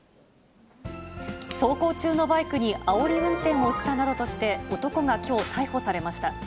走行中のバイクにあおり運転をしたなどとして、男がきょう逮捕されました。